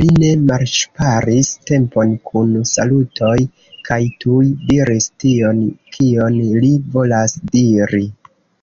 Li ne malŝparis tempon kun salutoj, kaj tuj diris tion, kion li volas diri.